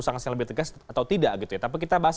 sanksi yang lebih tegas atau tidak tapi kita bahas